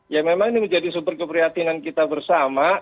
ya memang ini menjadi sumber keprihatinan kita bersama